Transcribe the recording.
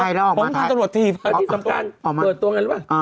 ใครแล้วออกมาแล้วที่สำคัญอ๋อเปิดตัวไงรึเปล่าอ่า